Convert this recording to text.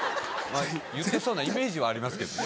言ってそうなイメージはありますけどね。